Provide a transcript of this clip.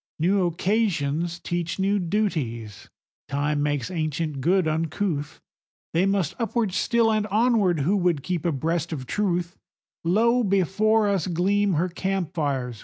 New occasions teach new duties; Time makes ancient good uncouth; They must upward still, and onward, who would keep abreast of Truth; Lo, before us gleam her camp fires!